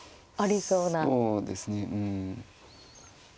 そうですねうん。